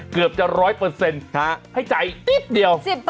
เกือบจะ๑๐๐ให้จ่ายนิดเดียว